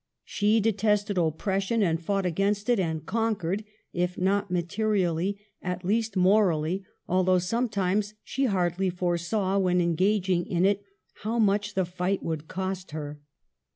She detested oppression, and fought against it and conquered, if not materially, at least morally, although some times she hardly foresaw when engaging in it how much the fight would cost her.